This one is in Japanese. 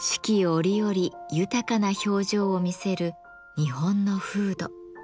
折々豊かな表情を見せる日本の風土。